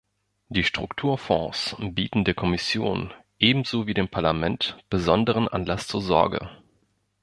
Die Strukturfonds bieten der Kommission, ebenso wie dem Parlament, besonderen Anlass zur Sorge.